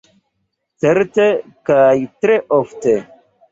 Certe, kaj tre ofte.